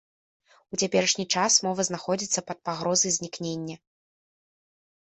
У цяперашні час мова знаходзіцца пад пагрозай знікнення.